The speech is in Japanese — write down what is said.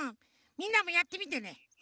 みんなもやってみてねうん。